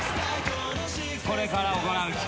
これから行う企画